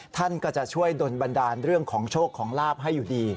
ท่านก็จะช่วยดนบันดาลเรื่องของโชคของลาบให้อยู่ดี